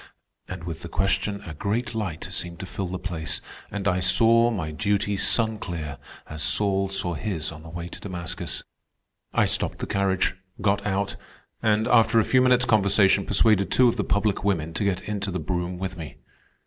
And with the question a great light seemed to fill the place, and I saw my duty sun clear, as Saul saw his on the way to Damascus. "I stopped the carriage, got out, and, after a few minutes' conversation, persuaded two of the public women to get into the brougham with me.